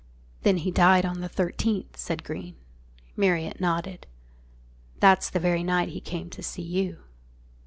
..." "Then he died on the 13th," said Greene. Marriott nodded. "That's the very night he came to see you."